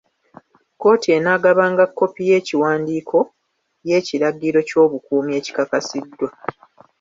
Kkooti enaagabanga kkopi y'ekiwandiiko y'ekiragiro ky'obukuumi ekikasiddwa.